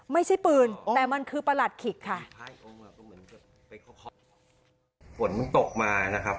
ไม่ใช่ปืนแต่มันคือประหลัดขิกค่ะ